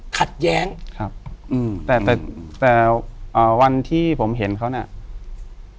ขัดแย้งครับอืมแต่แต่อ่าวันที่ผมเห็นเขาเนี่ย